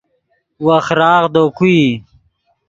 وخراغ دے کو ای